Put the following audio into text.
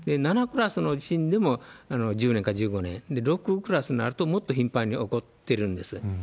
７クラスの地震でも１０年か１５年、６クラスになるともっと頻繁に起こってるんです。